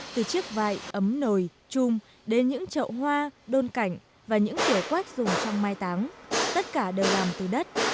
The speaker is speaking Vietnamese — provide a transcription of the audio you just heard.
từ chiếc vại ấm nồi chung đến những chậu hoa đôn cảnh và những kiểu quát dùng trong mai táng tất cả đều làm từ đất